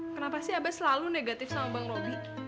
kenapa sih abah selalu negatif sama bang roby